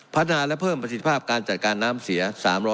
พัฒนาและเพิ่มประสิทธิภาพการจัดการน้ำเสีย๓๐๐